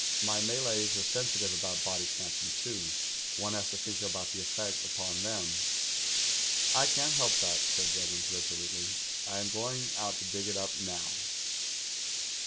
'My Malays are sensitive about body snatch ing, too. One has to think about the effect upon them.' '"I can't help that,' said Juggins resolutely. *I am going out to dig it up now.'